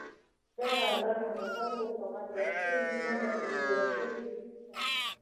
دغه بڼ د خلکو په غصب شوې ځمکه کې جوړ شوی و.